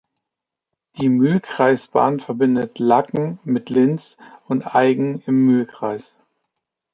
Die Mühlkreisbahn verbindet Lacken mit Linz und Aigen im Mühlkreis.